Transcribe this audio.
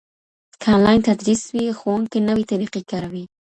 که انلاین تدریس وي، ښوونکي نوي طریقې کاروي.